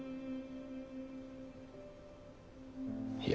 いや。